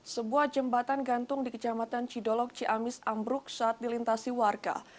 sebuah jembatan gantung di kecamatan cidolog ciamis ambruk saat dilintasi warga